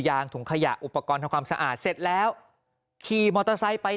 ถุงขยะอุปกรณ์ทำความสะอาดเสร็จแล้วขี่มอเตอร์ไซค์ไป